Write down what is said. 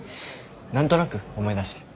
何となく思い出して。